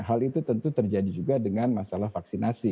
hal itu tentu terjadi juga dengan masalah vaksinasi